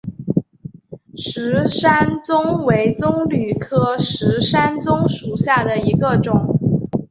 石山棕为棕榈科石山棕属下的一个种。